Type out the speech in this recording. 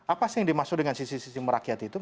apa sih yang dimaksud dengan sisi sisi merakyat itu